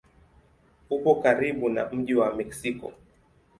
Upo karibu na mji wa Meksiko.